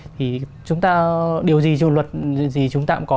thì điều gì dù luật gì chúng ta cũng có